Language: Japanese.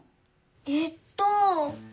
えっと。